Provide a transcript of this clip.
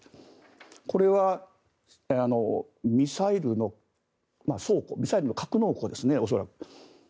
これはミサイルの格納庫ですね恐らく。